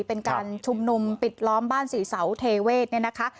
เป็นการชุมนุมปิดล้อมบ้านสี่เสาเทเวศเนี่ยนะคะ